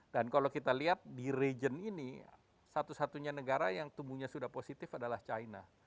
dan kalau kita lihat di region ini satu satunya negara yang tumbuhnya sudah positif adalah china